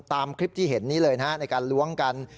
ตามคลิปที่เห็นนี้เลยนะฮะในการล้วงกัน